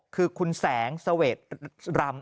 คือคุณแสงเสวดรำ